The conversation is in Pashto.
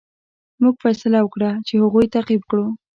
موږ فیصله وکړه چې هغوی تعقیب کړو.